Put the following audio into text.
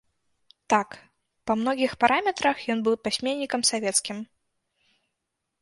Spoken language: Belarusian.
Так, па многіх параметрах ён быў пісьменнікам савецкім.